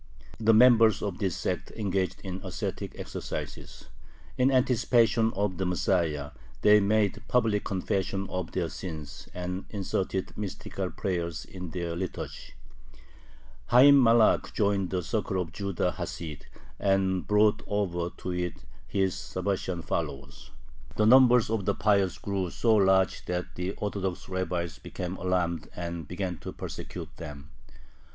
The members of this sect engaged in ascetic exercises; in anticipation of the Messiah, they made public confession of their sins and inserted mystical prayers in their liturgy. Hayyim Malakh joined the circle of Judah Hasid, and brought over to it his Sabbatian followers. The number of "the Pious" grew so large that the Orthodox rabbis became alarmed and began to persecute them.